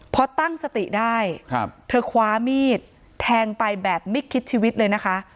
พอตั้งสติได้เธอคว้ามีดแทงไปแบบไม่คิดชีวิตเลยนะคะ